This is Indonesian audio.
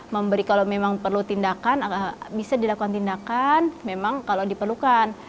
memberi kalau memang perlu tindakan bisa dilakukan tindakan memang kalau diperlukan